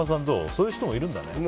そういう人もいるんだね。